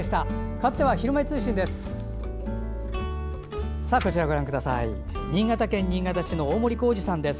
かわっては「ひるまえ通信」です。